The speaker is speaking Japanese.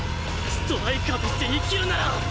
ストライカーとして生きるなら！